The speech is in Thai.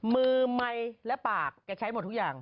มือไมค์และปากแกใช้หมดทุกอย่าง